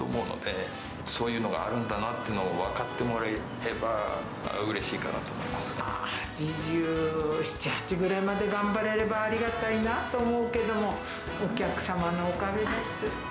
知らない人もいっぱいいると思うので、そういうのがあるんだなってのを分かってもらえたらうれしいかな８７、８ぐらいまで、頑張れればありがたいなと思うけども、お客様のおかげです。